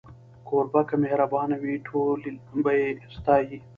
کوربه که مهربانه وي، ټول به يې ستایي.